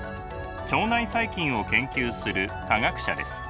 腸内細菌を研究する科学者です。